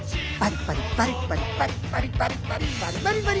バリバリバリバリバリバリバリバリバリ。